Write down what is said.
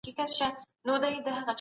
مشران کله په ټاکنو کي ګډون کوي؟